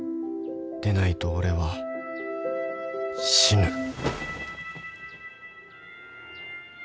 ［でないと俺は死ぬ］